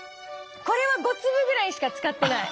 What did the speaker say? これは５粒ぐらいしか使ってない。